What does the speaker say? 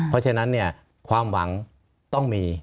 เพราะฉะนั้นเนี่ยความหวังต้องมี